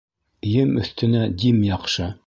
Ем өҫтөнә дим яҡшы.